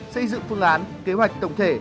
xây dựng phương án kế hoạch tổng thể